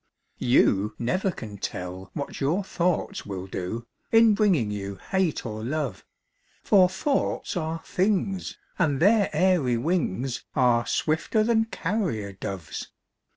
You never can tell what your thoughts will do, In bringing you hate or love; For thoughts are things, and their airy wings Are swifter than carrier doves.